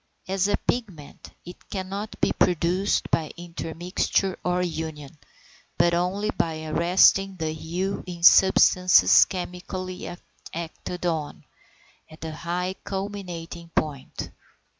As a pigment it cannot be produced by intermixture or union, but only by arresting the hue in substances chemically acted on, at the high culminating point.